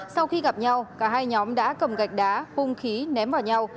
sau khi gặp nhau cả hai nhóm đã cầm gạch đá hung khí và đánh nhau